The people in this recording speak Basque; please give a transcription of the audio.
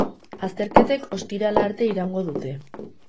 Azterketek ostirala arte iraungo dute.